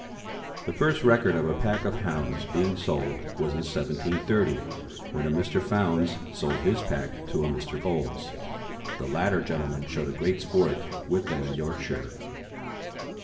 The first record of a pack of hounds being sold was in 1730, when a Mr. Fownes sold his pack to a Mr. Bowles. The latter gentleman showed great sport with them in Yorkshire.